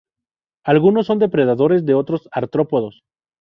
Algunos son depredadores de otros artrópodos.